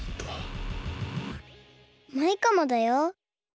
マイカもだよ。